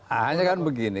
hanya kan begini